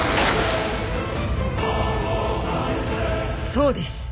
そうです。